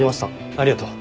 ありがとう。